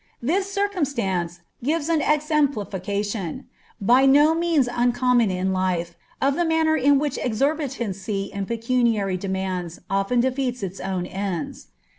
This circumstance gives an exemplification, by no means uncommon in life, of the manner in which exorbitancy in pecuniary de ■lands often defeats its own ends.